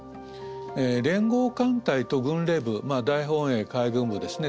連合艦隊と軍令部大本営海軍部ですね